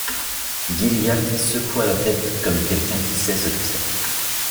Gilliatt secoua la tête comme quelqu’un qui sait ce que c’est.